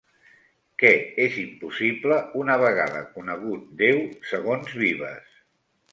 Què és impossible una vegada conegut Déu segons Vives?